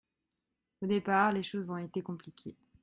Au départ, les choses ont été compliquées.